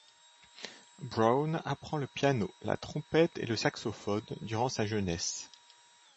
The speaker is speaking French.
Brown apprend le piano, la trompette et le saxophone durant sa jeunesse.